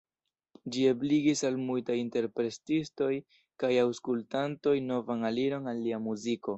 Ĝi ebligis al multaj interpretistoj kaj aŭskultantoj novan aliron al lia muziko.